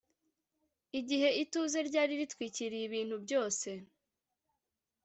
igihe ituze ryari ritwikiriye ibintu byose